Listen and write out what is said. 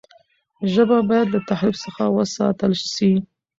ژبه باید له تحریف څخه وساتل سي.